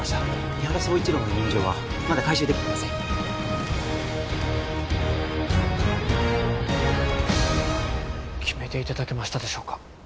伊原総一郎の委任状はまだ回収できていません決めていただけましたでしょうか？